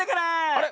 あれ？